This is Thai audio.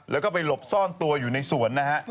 แล้วก็ไปหลบซ่อนตัวอยู่ในสวนนะฮะ